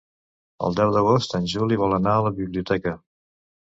El deu d'agost en Juli vol anar a la biblioteca.